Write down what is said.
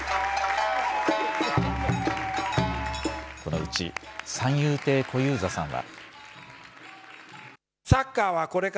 このうち、三遊亭小遊三さんは。